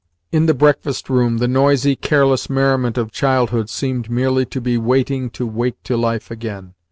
In the breakfast room, the noisy, careless merriment of childhood seemed merely to be waiting to wake to life again.